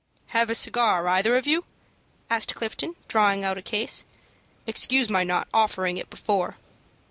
"Have a cigar either of you?" asked Clifton, drawing out a case. "Excuse my not offering it before."